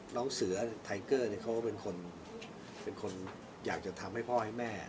น้องเสือไทเกอร์เขาเป็นคนเป็นคนอยากจะทำให้พ่อให้แม่